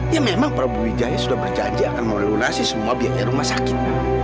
ya memang prabu wijaya sudah berjanji akan melunasi semua biaya rumah sakit